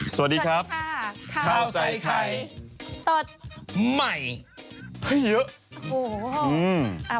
สวัสดีค่ะข้าวใส่ไข่สดใหม่ให้เยอะโอ้โหอืมอ่า